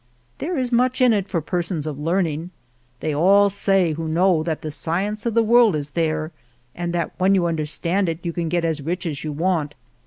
There is much in it for persons of learning. They all say who know that the science of the world is there, and that when you understand it you can get as rich as you want.